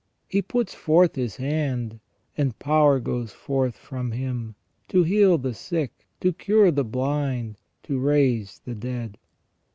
He puts forth His hand, and power goes forth from Him, to heal the sick, to cure the blind, to raise the dead.